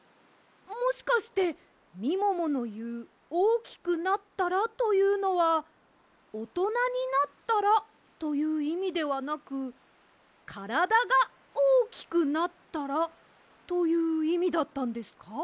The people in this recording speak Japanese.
もしかしてみもものいう「おおきくなったら」というのは「おとなになったら」といういみではなく「からだがおおきくなったら」といういみだったんですか？